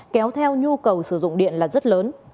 kéo theo nhu cầu sử dụng điện là rất lớn